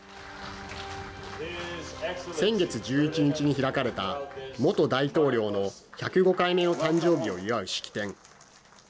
先月１１日に開かれた元大統領の１０５回目の誕生日を祝う式典。